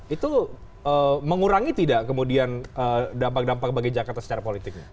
itu mengurangi tidak kemudian dampak dampak bagi jakarta secara politiknya